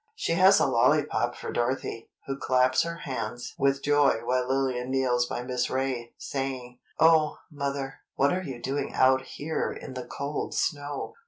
She has a lollypop for Dorothy, who claps her hands with joy while Lillian kneels by Miss Ray, saying: "Oh, mother, what are you doing out here in the cold snow?"